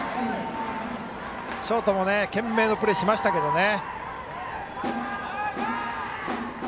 ショートも懸命なプレーをしましたけどね。